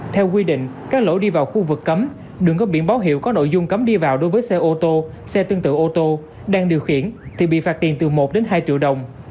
theo quy định các lỗi đi vào khu vực cấm đường có biển báo hiệu có nội dung cấm đi vào đối với xe ô tô xe tương tự ô tô đang điều khiển thì bị phạt tiền từ một đến hai triệu đồng